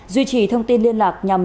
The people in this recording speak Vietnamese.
duy trì thông tin liên lạc nhằm